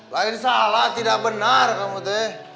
lain salah tidak benar kamu deh